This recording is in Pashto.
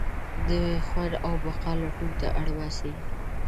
د خوند او بقا لټون ته اړباسي.